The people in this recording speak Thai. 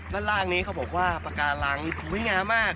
ด้านล่างนี้เขาบอกว่าปากการังสวยงามมาก